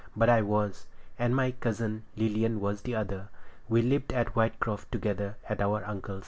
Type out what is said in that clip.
But I was, and my cousin Lilian was the other. We lived at Whitecroft together at our uncle's.